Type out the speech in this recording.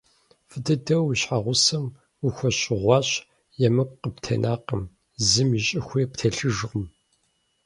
ФӀы дыдэуи уи щхьэгъусэм ухуэщыгъуащ, емыкӀу къыптенакъым, зым и щӀыхуи птелъыжкъым.